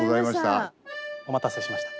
お待たせしました。